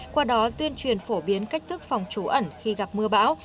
qua đó tuyên truyền phổ biến cách thức phòng trú ẩn khi gặp mưa bão